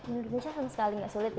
menurut nisha sama sekali tidak sulit